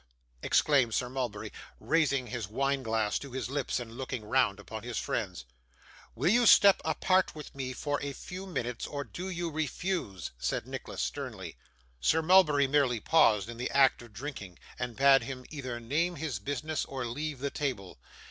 exclaimed Sir Mulberry, raising his wine glass to his lips, and looking round upon his friends. 'Will you step apart with me for a few minutes, or do you refuse?' said Nicholas sternly. Sir Mulberry merely paused in the act of drinking, and bade him either name his business or leave the table.